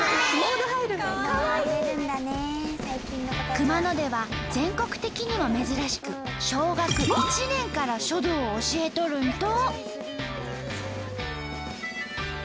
熊野では全国的にも珍しく小学１年から書道を教えとるんと！